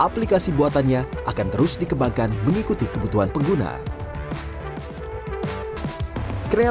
bisa diceritakan mungkin mbak